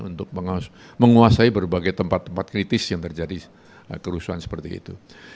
untuk menguasai berbagai tempat tempat kritis yang terjadi kerusuhan seperti itu